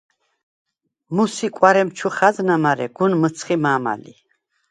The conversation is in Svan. მუს ი კუ̂არემ ჩუ ხაზნა, მარე გუნ მჷცხი მა̄მა ლი.